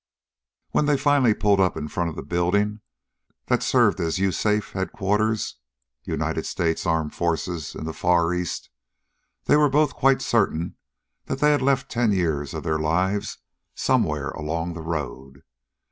When they finally pulled up in front of the building that served as USAFFE Headquarters (United States Armed Forces in the Far East) they were both quite certain that they had left ten years of their lives somewhere along the road.